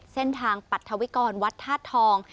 เส้นทางปรัฐวิกรวัดธาตุทอง